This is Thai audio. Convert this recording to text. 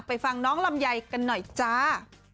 ฟังน้องลำไยกันหน่อยจ้า